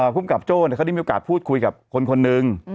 ภูมิกับโจ้เขาได้มีโอกาสพูดคุยกับคนนึง